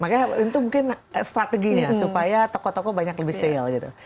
makanya itu mungkin strateginya supaya tokoh tokoh banyak lebih sale gitu